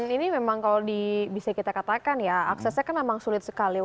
ini memang kalau bisa kita katakan ya aksesnya kan memang sulit sekali